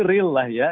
real lah ya